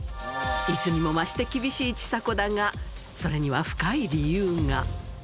いつもにも増して厳しいちさ子だが、それには深い理由が。